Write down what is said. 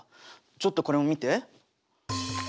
ちょっとこれを見て。